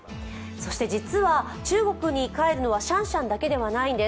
そして実は、中国に帰るのはシャンシャンだけではないんです。